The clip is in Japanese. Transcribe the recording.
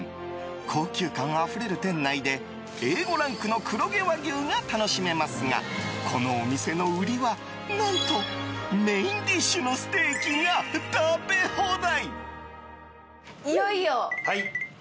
高級感あふれる店内でＡ５ランクの黒毛和牛が楽しめますがこのお店の売りは何とメインディッシュのステーキが食べ放題！